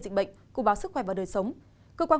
xin kính chào tạm biệt và hẹn gặp lại